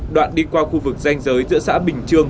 đoạn đi qua khu vực danh giới giữa xã bình trương